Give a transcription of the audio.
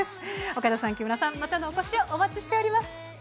岡田さん、木村さん、またのお越しをお待ちしております。